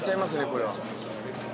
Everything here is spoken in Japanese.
これは。